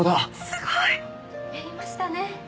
すごい！「やりましたね！」